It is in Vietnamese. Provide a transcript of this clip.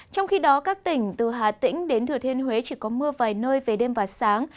trong khi đó các tỉnh từ hà tĩnh đến thừa thiên huế chỉ có mưa vài nơi về đêm và sáng